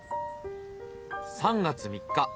３月３日。